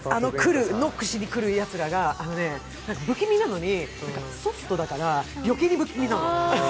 ノックしにくるやつらが不気味なのにソフトだからよけいに不気味なの。